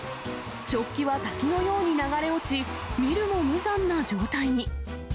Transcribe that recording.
食器は滝のように流れ落ち、見るも無残な状態に。